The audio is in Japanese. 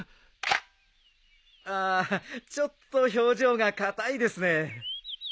ああちょっと表情が硬いですね。